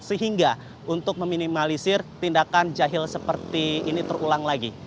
sehingga untuk meminimalisir tindakan jahil seperti ini terulang lagi